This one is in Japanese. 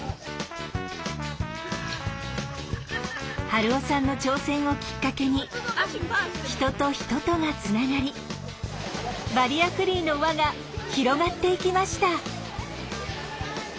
春雄さんの挑戦をきっかけに人と人とがつながりバリアフリーの輪が広がっていきました。